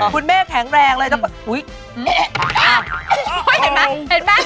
คุณแม่แข็งแรงเลยแล้วแบบ